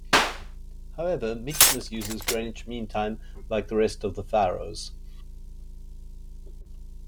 However, Mykines uses Greenwich Mean Time like the rest of the Faroes.